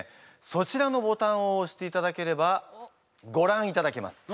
そちらのボタンをおしていただければごらんいただけます。